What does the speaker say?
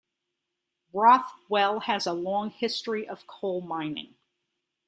Rothwell has a long history of coal mining.